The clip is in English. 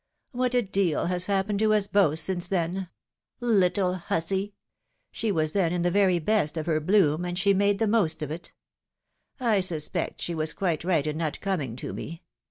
"What a deal has happened to us both since then ! Little hussy !— she was then in the very best of her bloom, and she made the most of it ; I suspect she was quite right in not coming to me.